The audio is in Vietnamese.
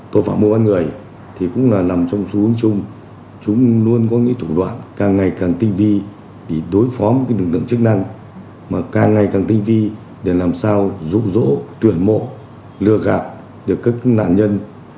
tội phạm mua bán người thì cũng là nằm trong xu hướng chung chúng luôn có những thủ đoạn càng ngày càng tinh vi để đối phó với lực lượng chức năng mà càng ngày càng tinh vi để làm sao rụ rỗ tuyển mộ lừa gạt được các nạn nhân